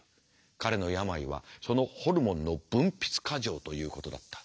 彼の病はそのホルモンの分泌過剰ということだった。